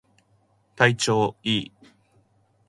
体調いい